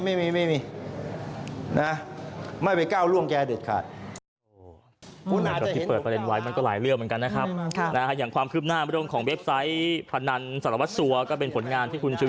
ไม่มีไม่มีนะไม่ไปก้าวล่วงแกเด็ดขาด